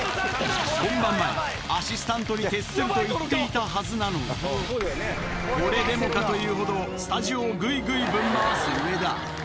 本番前、アシスタントに徹すると言っていたはずなのに、これでもかというほど、スタジオをぐいぐいぶん回す上田。